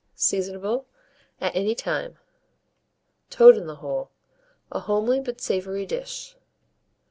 Seasonable at any time. TOAD IN THE HOLE (a Homely but Savoury Dish).